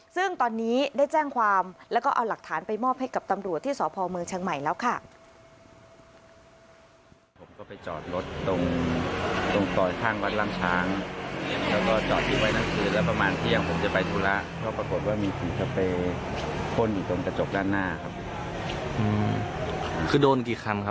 ซึ่งตอนนี้ได้แจ้งความแล้วก็เอาหลักฐานไปมอบให้กับตำรวจที่สพเมืองเชียงใหม่แล้วค่ะ